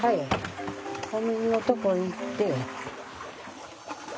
お水のとこ行って。